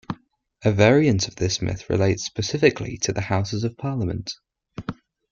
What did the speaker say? A variant of this myth relates specifically to the Houses of Parliament.